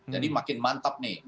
jadi makin mantap nih